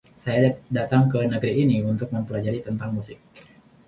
Saya datang ke negeri ini untuk mempelajari tentang musik.